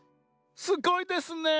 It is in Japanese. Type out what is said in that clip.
すごいですね。